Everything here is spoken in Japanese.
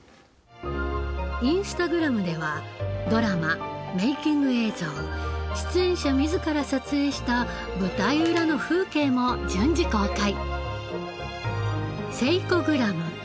インスタグラムではドラマメイキング映像出演者自ら撮影した舞台裏の風景も順次公開。